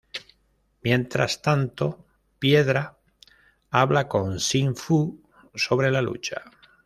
Mientras tanto, piedra habla con Xin Fu sobre la lucha.